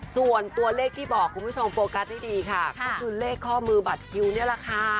ส่วนตัวเลขที่บอกคุณผู้ชมโฟกัสให้ดีค่ะก็คือเลขข้อมือบัตรคิวนี่แหละค่ะ